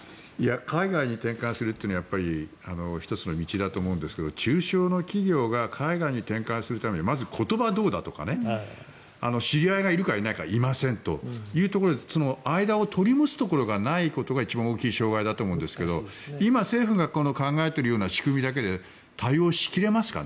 海外に展開するというのは１つの道だと思うんですが中小の企業が海外に展開するためにまず言葉はどうだとか知り合いがいるか、いないかいませんというところで間を取り持つところがないことが一番大きい障害だと思うんですが今、政府が考えているような仕組みだけで対応しきれますかね。